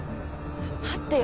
待ってよ。